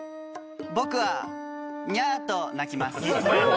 「僕はニャーと鳴きます」嘘！